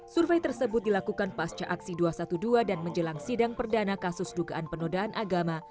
survei tersebut dilakukan pasca aksi dua ratus dua belas dan menjelang sidang perdana kasus dugaan penodaan agama